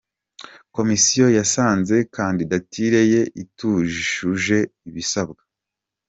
Komisiyo yasanze kanditatire ye itujuje ibisabwa.